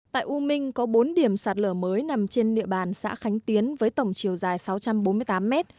tại u minh có bốn điểm sạt lở mới nằm trên địa bàn xã khánh tiến với tổng chiều dài sáu trăm bốn mươi tám mét